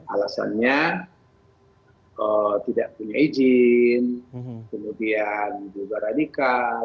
alasannya tidak punya izin kemudian juga radikal